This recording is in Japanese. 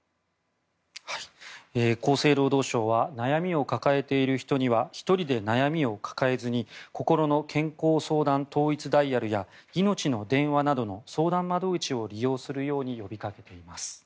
厚生労働省は悩みを抱えている人には１人で悩みを抱えずにこころの健康相談統一ダイヤルやいのちの電話などの相談窓口を利用するように呼びかけています。